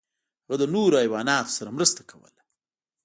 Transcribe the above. هغه د نورو حیواناتو سره مرسته کوله.